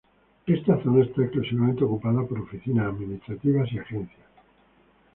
Esta zona está exclusivamente ocupada por oficinas administrativas y agencias.